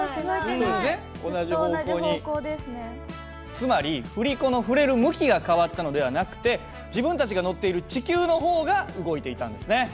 つまり振り子の振れる向きが変わったのではなくて自分たちが乗っている地球の方が動いていたんですね。